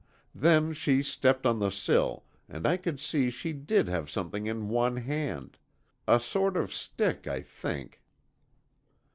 Then, she stepped on the sill, and I could see she did have something in one hand. A sort of stick, I think."